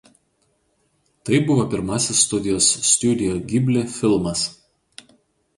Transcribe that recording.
Tai buvo pirmasis studijos „Studio Ghibli“ filmas.